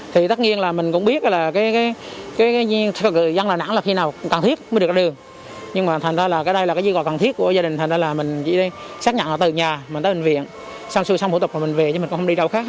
thì tất nhiên là mình cũng biết là cái nhân dân đà nẵng là khi nào